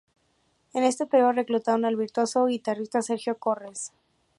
En ese periodo reclutaron al virtuoso guitarrista Sergio Corres.